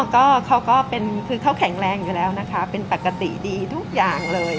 ก็เขาก็เป็นคือเขาแข็งแรงอยู่แล้วนะคะเป็นปกติดีทุกอย่างเลย